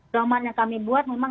domain yang kami buat memang